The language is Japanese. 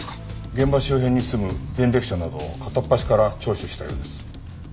現場周辺に住む前歴者などを片っ端から聴取したようです。